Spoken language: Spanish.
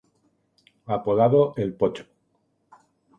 Apodado "el Pocho".